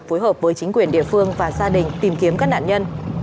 phối hợp với chính quyền địa phương và gia đình tìm kiếm các nạn nhân